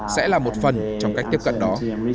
sẽ là một phần trong cách tiếp cận đó